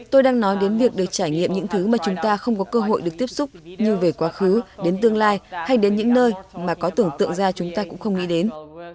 tôi đang nói đến việc được trải nghiệm những thứ mà chúng ta không có cơ hội được tiếp xúc như về quá khứ đến tương lai hay đến những nơi mà có tưởng tượng ra chúng ta cũng không nghĩ đến